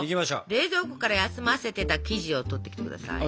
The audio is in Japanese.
冷蔵庫から休ませてた生地を取ってきて下さい。